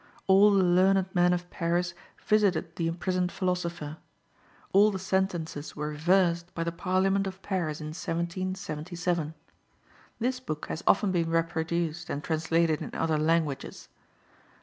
All the learned *men of Paris visited the imprisoned philosopher. All the sentences were reversed by the Parliament of Paris in 1777. This book has often been reproduced and translated in other languages.